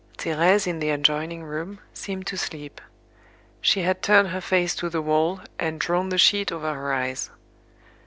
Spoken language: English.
Thérèse in the adjoining room, seemed to sleep. She had turned her face to the wall, and drawn the sheet over her eyes.